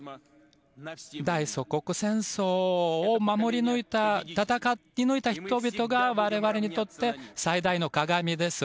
大祖国戦争を守り抜いた戦い抜いた人々が我々にとって最大の鏡です。